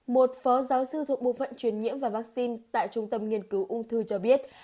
một phó giáo sư thuộc bộ phận truyền nhiễm và vaccine tại trung tâm nghiên cứu ung thư cho biết